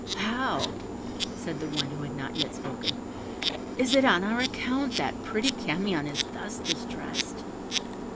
'How?' said the one who had not yet spoken, 'is it on our account that pretty Camion is thus distressed?'